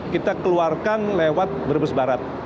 kita keluarkan lewat brebes barat